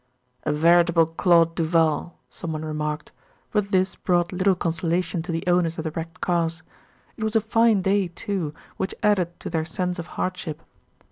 "A veritable Claude Duval," someone remarked; but this brought little consolation to the owners of the wrecked cars. It was a fine day, too, which added to their sense of hardship.